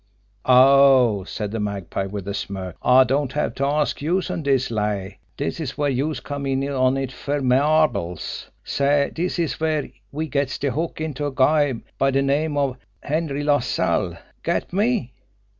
"Aw," said the Magpie, with a smirk, "I don't have to ask youse on dis lay. Dis is where youse'd come in on it fer marbles. Say, dis is where we gets de hook into a guy by de name of Henry LaSalle! Get me?"